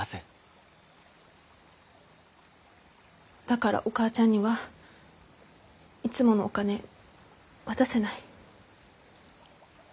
だからお母ちゃんにはいつものお金渡せない。